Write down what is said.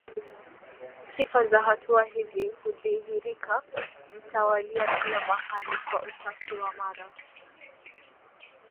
Sifa za hatua hizi hudhihirika mtawalia kila mahali kwa utashi wa mara